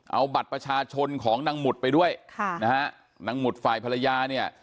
เอาบัตรประชาชนของนางหมุดไปด้วยค่ะนะฮะนางหมุดฝ่ายภรรยาเนี่ย